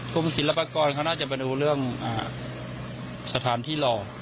กรมศิลปกรณ์เขาน่าจะเป็นเรื่องสถานที่รอ